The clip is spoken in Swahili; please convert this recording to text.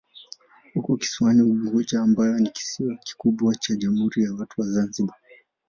Uko kisiwani Unguja ambayo ni kisiwa kikubwa cha Jamhuri ya Watu wa Zanzibar.